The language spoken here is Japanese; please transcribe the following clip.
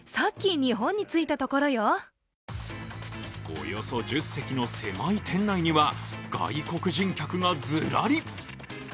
およそ１０席の狭い店内には外国人客がズラリ。